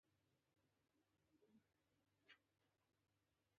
د حافظې د کمزوری لپاره باید څه شی وکاروم؟